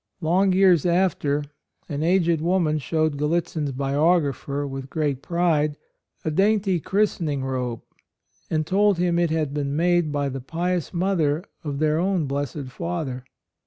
Long years after, an aged woman showed Gallitzin's biographer, with great pride, a dainty christening robe, and told him it had been made by the pious mother of their own blessed Father.